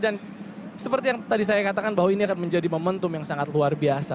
dan seperti yang tadi saya katakan bahwa ini akan menjadi momentum yang sangat luar biasa